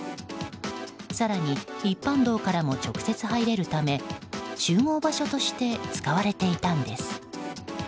更に、一般道からも直接入れるため集合場所として使われていたのです。